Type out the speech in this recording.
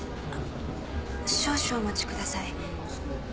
少々お待ちください。